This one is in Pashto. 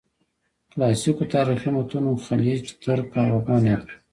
کلاسیکو تاریخي متونو خلج، ترک او افغان یاد کړي.